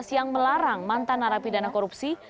yang melarang mantan narapi dana korupsi